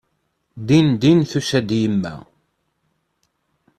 Dindin tusa-d yemma.